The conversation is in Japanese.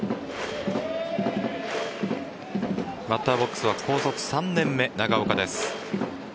バッターボックスは高卒３年目長岡です。